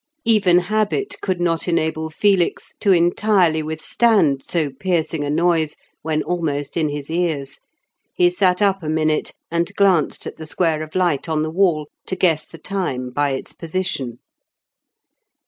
Even habit could not enable Felix to entirely withstand so piercing a noise when almost in his ears. He sat up a minute, and glanced at the square of light on the wall to guess the time by its position.